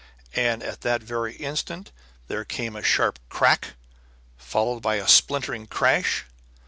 And at that very instant there came a sharp crack, followed by a splintering crash.